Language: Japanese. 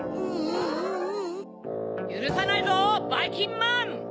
ゆるさないぞばいきんまん！